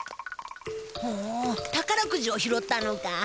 ほお宝くじを拾ったのか。